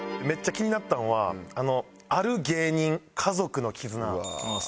めっちゃ気になったのは「ある芸人家族の絆」。